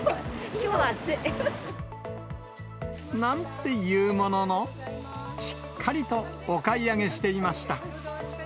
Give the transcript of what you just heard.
きょうは暑い。なんていうものの、しっかりとお買い上げしていました。